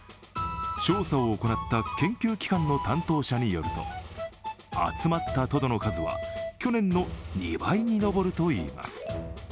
調査を行った研究機関の担当者によると集まったトドの数は去年の２倍に上るといいます。